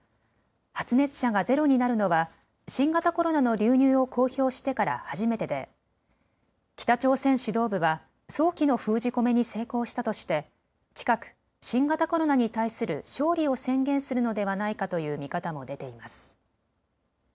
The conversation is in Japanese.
発熱者がゼロになるのは新型コロナの流入を公表してから初めてで、北朝鮮指導部は早期の封じ込めに成功したとして近く新型コロナに対する勝利を宣言するのではないかという見方も出ています。